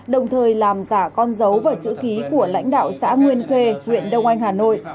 đồng thời làm giả con dấu và chữ ký của lãnh đạo xã nguyên khê huyện đông anh hà nội